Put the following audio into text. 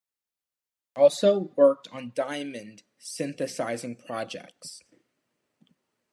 He also worked on diamond synthesizing projects.